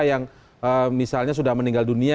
yang misalnya sudah meninggal dunia